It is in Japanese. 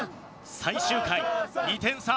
最終回２点差。